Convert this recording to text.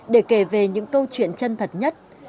để kể về những câu chuyện chân thật nhất